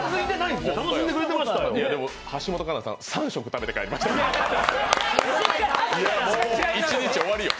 でも橋本環奈さん、３食食べて帰りましたよ。